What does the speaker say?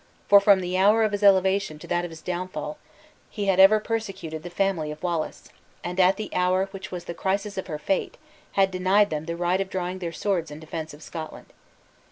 for, from the hour of his elevation to that of his downfall, he had ever persecuted the family of Wallace; and, at the hour which was the crisis of her fate, had denied them the right of drawing their swords in defense of Scotland.